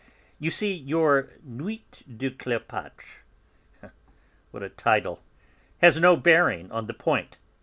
You see, your Nuit de Cléopâtre (what a title!) has no bearing on the point.